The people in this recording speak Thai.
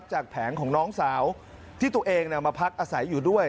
แผงของน้องสาวที่ตัวเองมาพักอาศัยอยู่ด้วย